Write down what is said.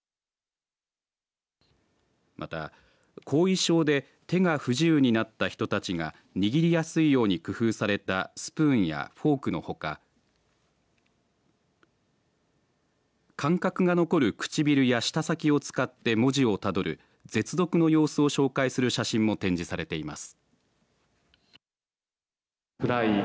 また、後遺症で手が不自由になった人たちが握りやすいように工夫されたスプーンやフォークのほか感覚が残る唇や舌先を使って文字をたどる舌読の様子を紹介する写真も展示されてます。